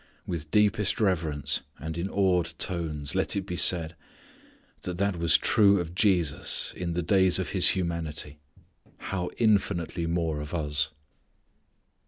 With deepest reverence, and in awed tones, let it be said, that that was true of Jesus in the days of His humanity. How infinitely more of us!